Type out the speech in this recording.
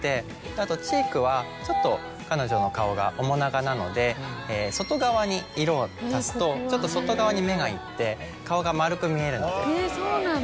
あとチークはちょっと彼女の顔が面長なので外側に色を足すとちょっと外側に目がいって顔が丸く見えるので。